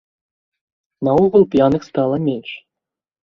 Наогул п'яных стала менш.